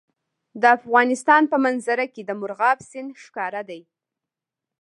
د افغانستان په منظره کې مورغاب سیند ښکاره دی.